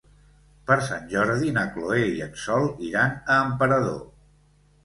Per Sant Jordi na Chloé i en Sol iran a Emperador.